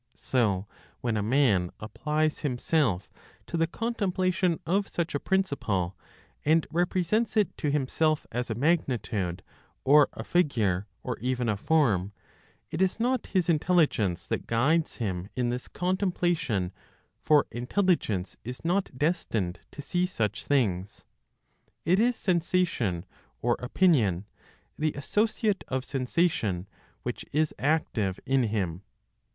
So when a man applies himself to the contemplation of such a principle and represents it to himself as a magnitude, or a figure, or even a form, it is not his intelligence that guides him in this contemplation for intelligence is not destined to see such things; it is sensation, or opinion, the associate of sensation, which is active in him.